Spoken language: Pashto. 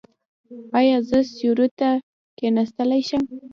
ایا زه سیوري ته کیناستلی شم؟